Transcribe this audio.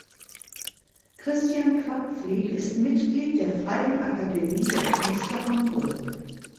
Christian Quadflieg ist Mitglied der Freien Akademie der Künste Hamburg.